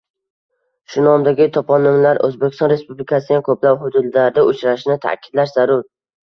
Shu nomdagi toponimlar O‘zbekiston Respublikasining ko‘plab hududlarida uchrashini ta’kidlash zarur.